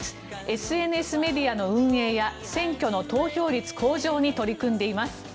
ＳＮＳメディアの運営や選挙の投票率向上に取り組んでいます。